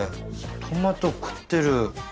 トマト食ってる。